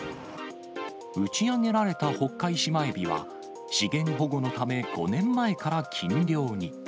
打ち上げられたホッカイシマエビは資源保護のため、５年前から禁漁に。